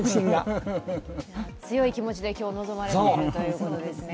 強い気持ちで、今日、臨まれるということですね。